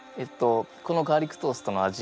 このガーリックトーストの味